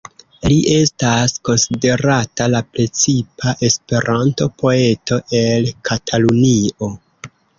Li estas konsiderata la precipa Esperanto-poeto el Katalunio.